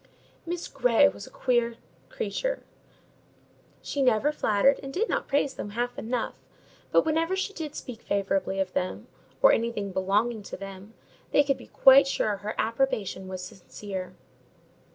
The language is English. "Miss Grey was a queer creature: she never flattered, and did not praise them half enough; but whenever she did speak favourably of them, or anything belonging to them, they could be quite sure her approbation was sincere.